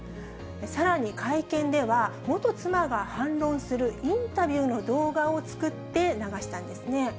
さらに、会見では、元妻が反論するインタビューの動画を作って流したんですね。